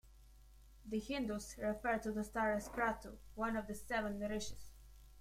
The Hindus refer to the star as "Kratu", one of the Seven Rishis.